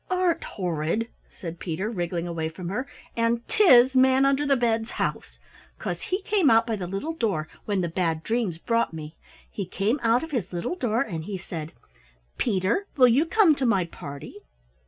"Aren't horrid," said Peter, wriggling away from her, "and 'tis Manunderthebed's house, 'cause he came out by the little door when the Bad Dreams brought me. He came out of his little door, and he said 'Peter, will you come to my party?'"